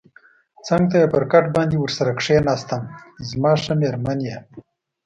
څنګ ته یې پر کټ باندې ورسره کېناستم، ته زما ښه مېرمن یې.